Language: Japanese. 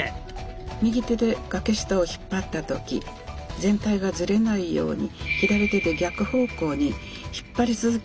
右手で掛下を引っ張った時全体がズレないように左手で逆方向に引っ張り続けないといけません。